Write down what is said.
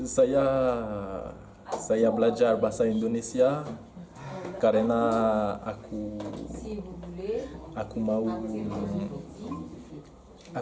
saya belajar bahasa indonesia karena aku mau belajar